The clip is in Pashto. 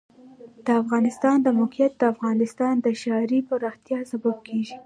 د افغانستان د موقعیت د افغانستان د ښاري پراختیا سبب کېږي.